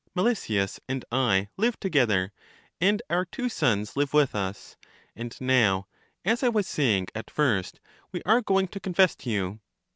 Melesias and I live together, and our two sons live with us; and now, as I was saying at first, we are going to confess to you.